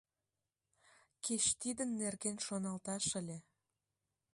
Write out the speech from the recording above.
— Кеч тидын нерген шоналташ ыле.